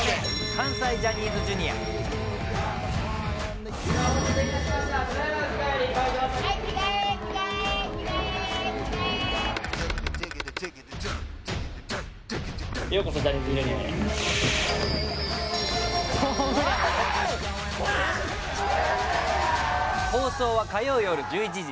関西ジャニーズＪｒ．放送は火曜夜１１時。